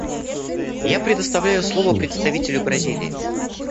Я предоставляю слово представителю Бразилии.